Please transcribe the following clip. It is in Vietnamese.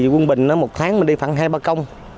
quân bình một tháng mình đi khoảng hai ba công